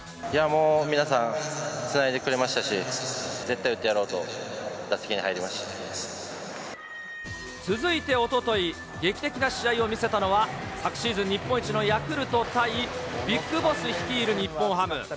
もう、皆さんつないでくれましたし、絶対打ってやろうと、打席に入り続いておととい、劇的な試合を見せたのは、昨シーズン日本一のヤクルト対ＢＩＧＢＯＳＳ率いる日本ハム。